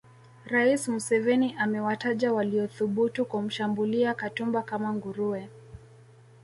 Rais Museveni amewataja waliothubutu kumshambulia Katumba kama nguruwe